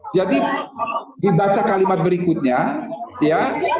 jadi dibaca kalimat berikutnya ya